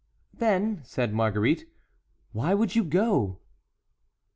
"Then," said Marguerite, "why would you go?"